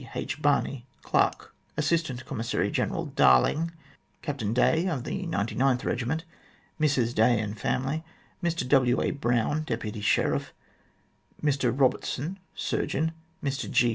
H. Barney, Clerk ; Assistant Commissary General Darling ; Captain Day, of the 99th Eegiment, Mrs Day, and family; Mr W. A. Brown, Deputy Sheriff; Mr Eobertson, Surgeon ; Mr G.